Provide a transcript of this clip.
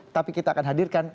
tapi kita akan hadirkan